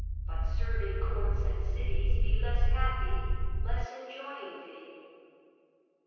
But serving courts and cities, be Less happy, less enjoying thee.